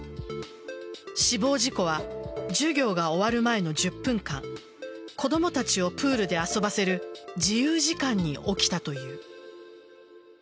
死亡事故は授業が終わる前の１０分間子供たちをプールで遊ばせる自由時間に起きたという。